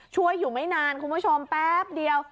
ช่วยอยู่ไม่นานคุณผู้ชมแป๊บเดียว